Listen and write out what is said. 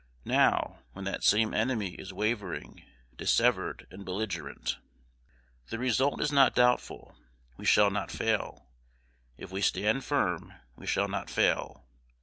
now, when that same enemy is wavering, dissevered, and belligerent? The result is not doubtful. We shall not fail, if we stand firm, we shall not fail.